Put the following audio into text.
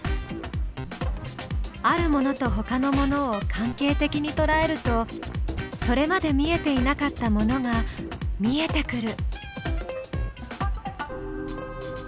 あるものとほかのものを関係的にとらえるとそれまで見えていなかったものが見えてくる。